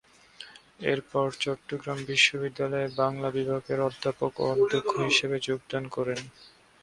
এরপর চট্টগ্রাম বিশ্ববিদ্যালয়ে বাংলা বিভাগের অধ্যাপক ও অধ্যক্ষ হিসেবে যোগদান করেন।